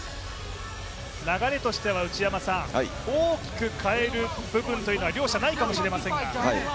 流れとしては、大きく変える部分というのは両者ないかもしれませんが。